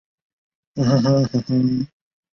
砗磲蛤属为砗磲亚科之下两个属之一。